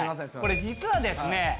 これ実はですね